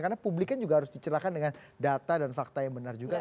karena publiknya juga harus dicelahkan dengan data dan fakta yang benar juga